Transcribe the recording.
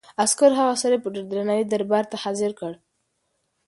عسکرو هغه سړی په ډېر درناوي دربار ته حاضر کړ.